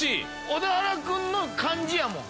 小田原君の感じやもん。